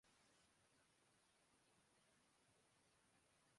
corona virus سے متعلق